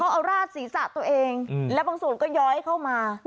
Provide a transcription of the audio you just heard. เอาราดศีรษะตัวเองและบางส่วนก็ย้อยเข้ามา